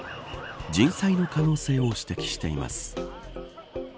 人災の可能性を指摘しています。